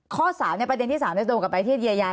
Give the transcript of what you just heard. ข้อ๓ประเด็นที่๓จะโยงกลับไปที่คดีอาญา